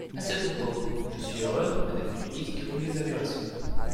À ce propos, je suis heureux, madame la ministre, que vous les avez reçus.